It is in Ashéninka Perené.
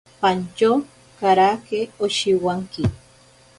Pantyo karake oshiwanki.